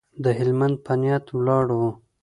د هلمند په نیت ولاړو.